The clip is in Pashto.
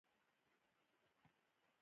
هغه د خپلې خور سره ډیره مینه کوي او هیله لري